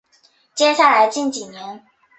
接下来近几年